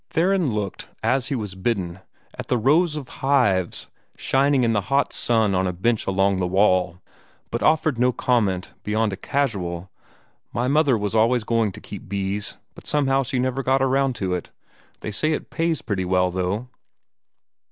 Theron looked, as he was bidden, at the rows of hives shining in the hot sun on a bench along the wall, but offered no comment beyond a casual, "My mother was always going to keep bees, but somehow she never got around to it. They say it pays very well, though."